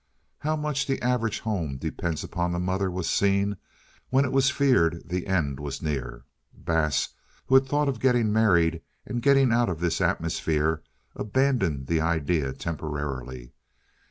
How much the average home depends upon the mother was seen when it was feared the end was near. Bass, who had thought of getting married and getting out of this atmosphere, abandoned the idea temporarily.